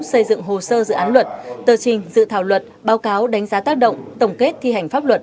xây dựng hồ sơ dự án luật tờ trình dự thảo luật báo cáo đánh giá tác động tổng kết thi hành pháp luật